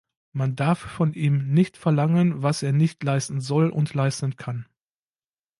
Man darf von ihm nicht verlangen, was er nicht leisten soll und leisten kann.